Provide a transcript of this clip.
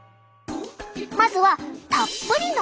まずはたっぷりのＴ！